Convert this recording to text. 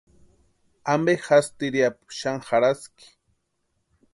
¿Ampe jásï tiriapu xani jarhaski?